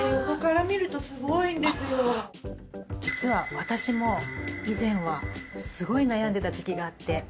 実は私も以前はすごい悩んでた時期があって。